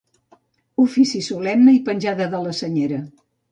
Ofici solemne i penjada de la senyera.